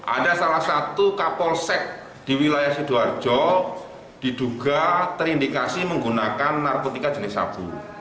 ada salah satu kapolsek di wilayah sidoarjo diduga terindikasi menggunakan narkotika jenis sabu